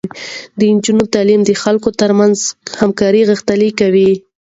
د نجونو تعليم د خلکو ترمنځ همکاري غښتلې کوي.